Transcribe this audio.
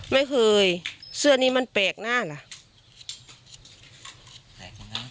ไม่เคยเสื้อนี้มันแปลกหน้าล่ะ